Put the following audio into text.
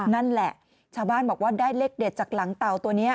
นั่นแหละชาวบ้านบอกว่าได้เลขเด็ดจากหลังเต่าตัวนี้